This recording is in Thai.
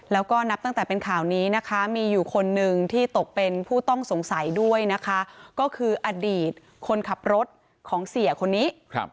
แล้วก็นับตั้งแต่เป็นข่าวนี้นะคะมีอยู่คนหนึ่งที่ตกเป็นผู้ต้องสงสัยด้วยนะคะก็คืออดีตคนขับรถของเสียคนนี้